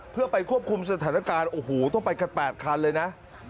เพื่อไปควบคุมสถานการณ์โอ้โหต้องไปกัน๘คันเลยนะ